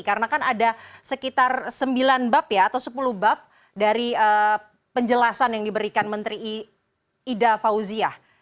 karena kan ada sekitar sembilan bab ya atau sepuluh bab dari penjelasan yang diberikan menteri ida fauziah